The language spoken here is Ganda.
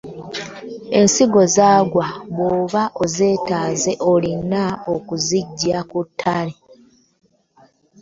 Ensigo zaagwo bw’oba ozeetaaga olina kuziggya ku ttale.